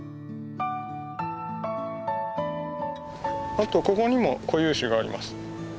あとここにも固有種があります。